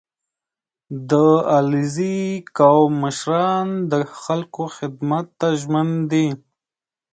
• د علیزي قوم مشران د خلکو خدمت ته ژمن دي.